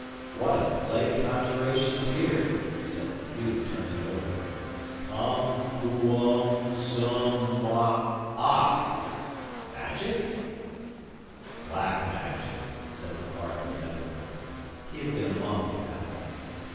'"What a plague conjuration's here?" said Hugh, turning it over. "Pum quum sum oc occ. Magic?" '"Black Magic," said the Clerk of Netherfield (he had been a monk at Battle).